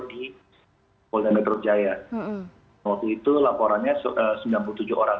jadi kalau anda menurut saya waktu itu laporannya sembilan puluh tujuh orang